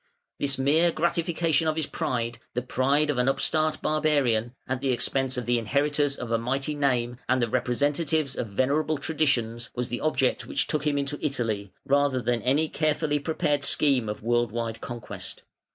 This mere gratification of his pride, the pride of an upstart barbarian, at the expense of the inheritors of a mighty name and the representatives of venerable traditions, was the object which took him into Italy, rather than any carefully prepared scheme of worldwide conquest.